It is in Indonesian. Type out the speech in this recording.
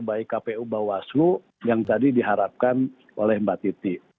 baik kpu bawaslu yang tadi diharapkan oleh mbak titi